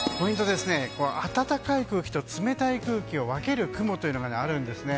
暖かい空気と冷たい空気を分ける雲があるんですね。